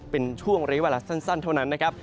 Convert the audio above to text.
เป็นช่วงระยะเวลาสั้นเท่านั้นนะครับ